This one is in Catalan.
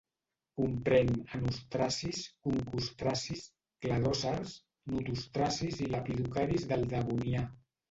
Comprèn anostracis, concostracis, cladòcers, notostracis i lepidocaris del Devonià.